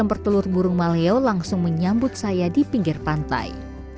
bertelur burung maleo langsung menyambut saya di pinggir pantai